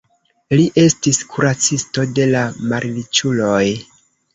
Li estis kuracisto de la malriĉuloj.